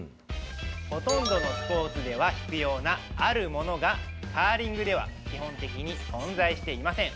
ほとんどのスポーツでは必要なあるものが、カーリングでは基本的に存在していません。